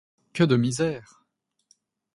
Que de misère!